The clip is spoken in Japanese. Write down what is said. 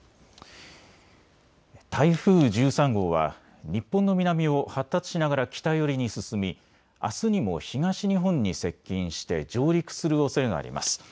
台風１３号は日本の南を発達しながら北寄りに進みあすにも東日本に接近して上陸するおそれがあります。